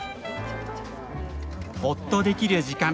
ホッとできる時間。